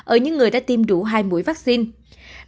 ở những người đã tiêm đủ hai mũi vaccine